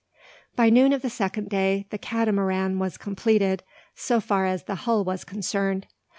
By noon of the second day the Catamaran was completed, so far as the hull was concerned.